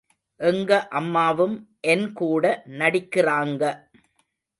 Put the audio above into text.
எங்க அம்மாவும் என் கூட நடிக்கிறாங்க.